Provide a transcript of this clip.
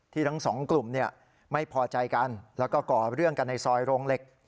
ทั้งสองกลุ่มไม่พอใจกันแล้วก็ก่อเรื่องกันในซอยโรงเหล็ก